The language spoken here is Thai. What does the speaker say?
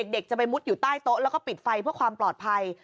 เด็กจะไปมุดอยู่ใต้โต๊ะแล้วก็ปิดไฟเพื่อความปลอดภัย